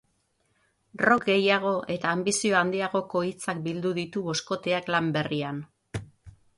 Rock gehiago eta anbizio handiagoko hitzak bildu ditu boskoteak lan berrian.